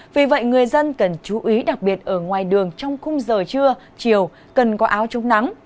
vì vậy người dân cần chú ý đặc biệt ở ngoài đường trong khung giờ trưa chiều cần có áo chống nắng